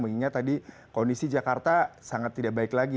mengingat tadi kondisi jakarta sangat tidak baik lagi